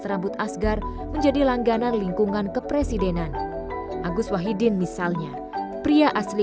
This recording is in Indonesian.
rambut asgar menjadi langganan lingkungan kepresidenan agus wahidin misalnya pria asli